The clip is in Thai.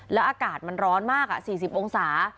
แล้วอากาศมันร้อนมาก๔๐องศา